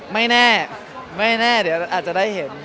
ไม่แน่ไม่แน่เดี๋ยวอาจจะได้เห็น